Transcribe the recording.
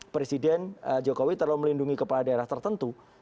presiden jokowi terlalu melindungi kepala daerah tertentu